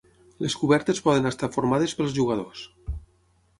Les cobertes poden estar formades pels jugadors.